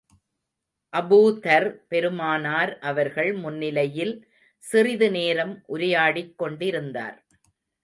Abu Dharr, பெருமானார் அவர்கள் முன்னிலையில் சிறிது நேரம் உரையாடிக் கொண்டிருந்தார்.